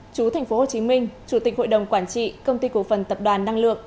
chú thành phố hồ chí minh chủ tịch hội đồng quản trị công ty cổ phần tập đoàn năng lượng